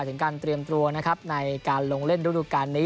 ถึงการเตรียมตัวในการลงเล่นรุ่นโดดการณ์นี้